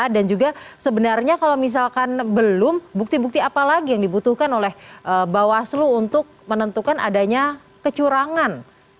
dan juga sebenarnya kalau misalkan belum bukti bukti apa lagi yang dibutuhkan oleh bawaslu untuk menentukan adanya kecurangan